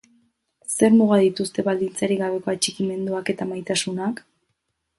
Zer muga dituzte baldintzarik gabeko atxikimenduak eta maitasunak?